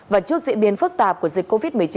và trước diễn biến phức tạp của dịch covid một mươi chín